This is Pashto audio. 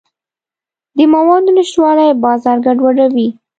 د موادو نشتوالی بازار ګډوډوي.